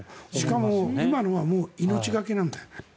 しかも今のはもう命懸けなんだよ。